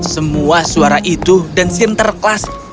semua suara itu dan sinterklas